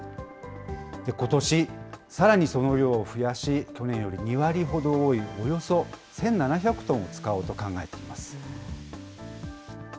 ことし、さらにその量を増やし去年より２割ほど多い、およそ１７００トンを使おうと考えています。